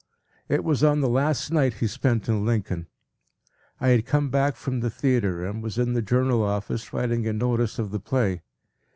It was on the last night he spent in Lincoln. I had come back from the theatre and was in the Journal office writing a notice of the play.